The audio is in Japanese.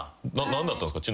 何だったんすか？